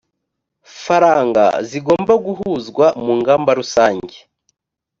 faranga zigomba guhuzwa mu ngamba rusange